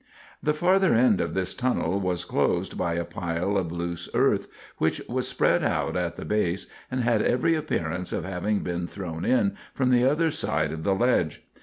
The farther end of this tunnel was closed by a pile of loose earth, which was spread out at the base, and had every appearance of having been thrown in from the other side of the ledge.